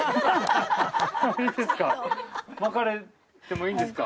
いいですか？